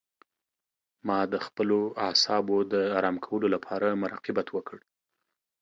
ما د خپلو اعصابو د آرام کولو لپاره مراقبت وکړ.